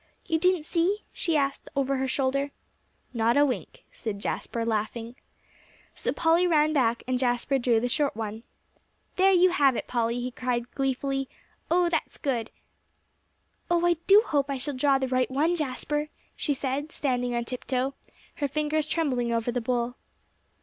"You didn't see?" she asked over her shoulder. "Not a wink," said Jasper, laughing. So Polly ran back, and Jasper drew the short one. "There; you have it, Polly!" he cried gleefully. "Oh, that's good!" "Oh, I do hope I shall draw the right one, Jasper," she said, standing on tiptoe, her fingers trembling over the bowl.